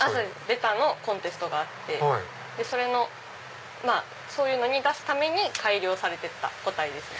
ベタのコンテストがあってそういうのに出すために改良されてった個体です。